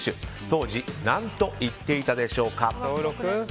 当時、何と言っていたでしょうか。